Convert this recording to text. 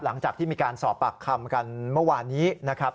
หลังจากที่มีการสอบปากคำกันเมื่อวานนี้นะครับ